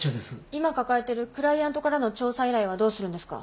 今抱えてるクライアントからの調査依頼はどうするんですか？